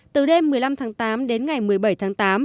từ đêm một mươi năm tháng tám đến ngày một mươi bảy tháng tám